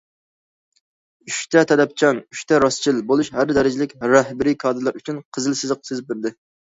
‹‹ ئۈچتە تەلەپچان، ئۈچتە راستچىل›› بولۇش ھەر دەرىجىلىك رەھبىرىي كادىرلار ئۈچۈن‹‹ قىزىل سىزىق›› سىزىپ بەردى.